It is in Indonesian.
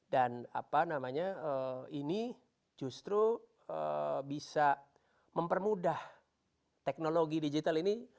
dan apa namanya ini justru bisa mempermudah teknologi digital ini